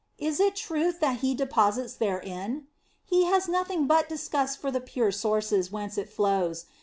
Is it truth that he deposits therein ? He has nothing but disgust for the pure sources whence it flows.